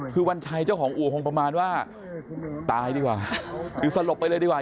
คือวันชัยเจ้าของอู่คงประมาณว่าตายดีกว่าคือสลบไปเลยดีกว่า